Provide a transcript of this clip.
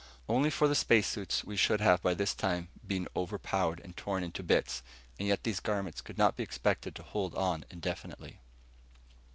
Only for the space suits, we should have, by this time, been overpowered and torn into bits and yet these garments could not be expected to hold indefinitely.